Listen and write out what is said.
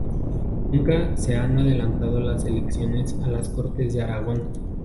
Nunca se han adelantado las elecciones a las Cortes de Aragón.